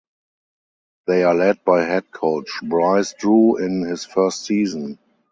They are led by head coach Bryce Drew in his first season.